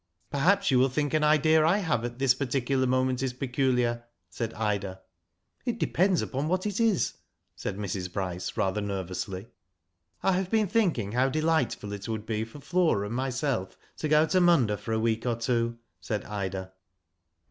." Perhaps you will think an idea I have at this particular moment is peculiar," said Ida. " It depends upon what it is," said Mrs. Bryce, rather nervously. " I have been thinking how delightful it would be for Flora and myself to go to Munda for a week or two," said Ida.